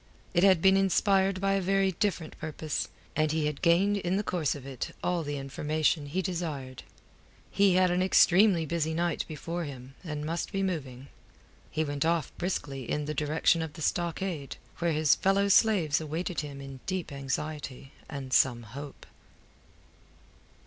It had been inspired by a very different purpose, and he had gained in the course of it all the information he desired. He had an extremely busy night before him, and must be moving. He went off briskly in the direction of the stockade, where his fellow slaves awaited him in deep anxiety and some hope.